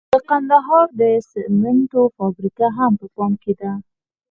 د کندهار د سمنټو فابریکه هم په پام کې ده.